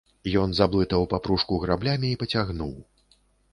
Ён заблытаў папружку граблямі і пацягнуў.